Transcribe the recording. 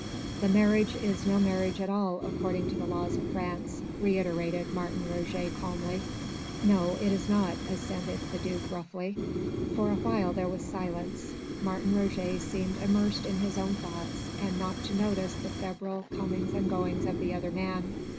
"The marriage is no marriage at all according to the laws of France," reiterated Martin Roget calmly. "No, it is not," assented the Duke roughly. For a while there was silence: Martin Roget seemed immersed in his own thoughts and not to notice the febrile comings and goings of the other man.